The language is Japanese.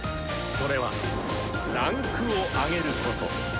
それは「位階を上げる」こと。